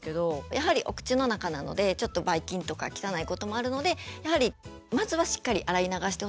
やはりお口の中なのでちょっとばい菌とか汚いこともあるのでやはりまずはしっかり洗い流してほしいな。